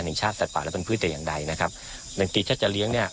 หนึ่งชาติสัตว์ป่าและเป็นพืชแต่อย่างใดนะครับดังนี้ถ้าจะเลี้ยงเนี้ย